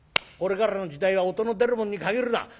これからの時代は音の出るもんに限るな。